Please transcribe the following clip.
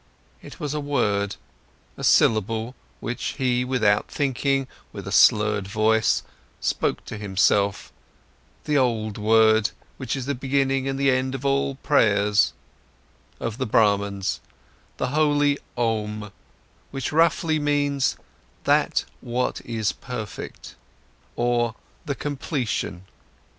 It was a word, a syllable, which he, without thinking, with a slurred voice, spoke to himself, the old word which is the beginning and the end of all prayers of the Brahmans, the holy "Om", which roughly means "that what is perfect" or "the completion".